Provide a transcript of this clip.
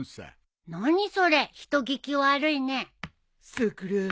さくら